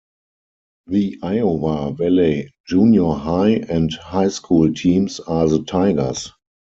The Iowa Valley Junior High and High School teams are the Tigers.